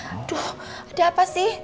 aduh ada apa sih